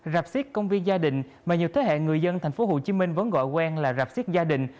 rạp xiết công viên gia đình mà nhiều thế hệ người dân tp hcm vẫn gọi quen là rạp siếc gia đình